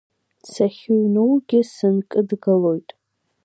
Сахьыҩноугьы сынкыдгылоит.